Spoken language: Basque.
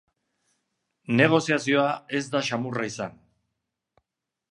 Negoziazioa ez da samurra izan.